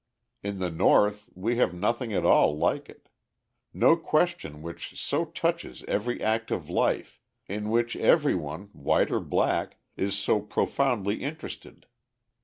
In the North we have nothing at all like it; no question which so touches every act of life, in which everyone, white or black, is so profoundly interested.